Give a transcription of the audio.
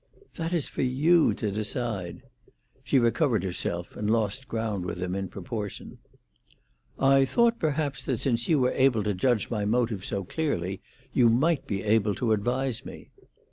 "That is for you to decide." She recovered herself, and lost ground with him in proportion. "I thought perhaps that since you were able to judge my motives so clearly, you might be able to advise me."